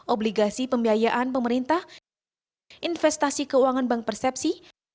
obligasi pembiayaan pemerintah investasi keuangan bank persepsi